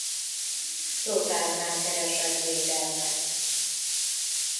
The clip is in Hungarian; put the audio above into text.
Lothárnál keresett védelmet.